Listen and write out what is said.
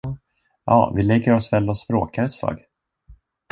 Ja vi lägger oss väl och språkar ett slag!